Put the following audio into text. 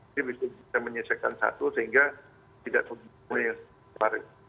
jadi bisa kita menyisakan satu sehingga tidak terlalu banyak yang terlari